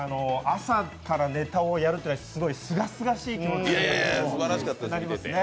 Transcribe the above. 朝からネタをやるってすごいすがすがしい気持ちですね。